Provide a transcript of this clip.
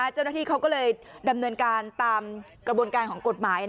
เจ้าหน้าที่เขาก็เลยดำเนินการตามกระบวนการของกฎหมาย